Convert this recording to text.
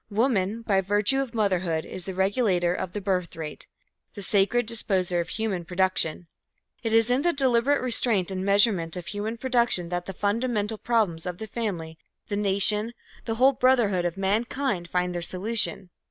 Woman, by virtue of motherhood is the regulator of the birthrate, the sacred disposer of human production. It is in the deliberate restraint and measurement of human production that the fundamental problems of the family, the nation, the whole brotherhood of mankind find their solution.